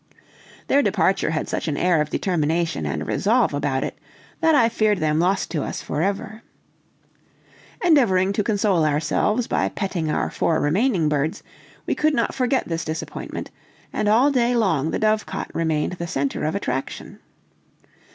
Their departure had such an air of determination and resolve about it, that I feared them lost to us forever. Endeavoring to console ourselves by petting our four remaining birds, we could not forget this disappointment, and all day long the dovecot remained the center of attraction.